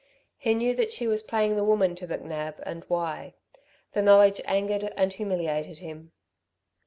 He knew that she was playing the woman to McNab, and why. The knowledge angered and humiliated him.